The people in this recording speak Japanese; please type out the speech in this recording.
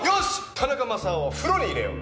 田中マサオを風呂に入れよう。